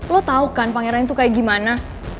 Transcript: lo tau kan pangeran itu kayak gimana